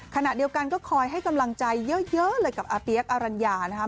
ขณะเดียวกันก็คอยให้กำลังใจเยอะเลยกับอาเปี๊ยกอรัญญานะครับ